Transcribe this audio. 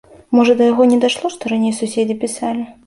Можа да яго не дайшло, што раней суседзі пісалі.